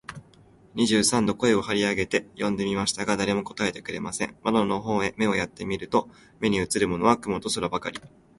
二三度声を張り上げて呼んでみましたが、誰も答えてくれません。窓の方へ目をやって見ると、目にうつるものは雲と空ばかり、